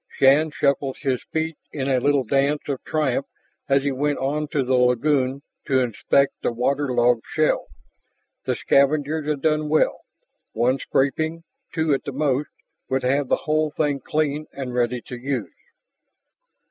Shann shuffled his feet in a little dance of triumph as he went on to the lagoon to inspect the water logged shell. The scavengers had done well. One scraping, two at the most, would have the whole thing clean and ready to use.